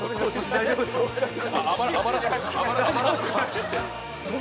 大丈夫っすか？